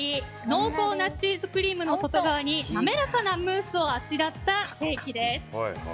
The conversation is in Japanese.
濃厚なチーズクリームの外側に滑らかなムースをあしらったケーキです。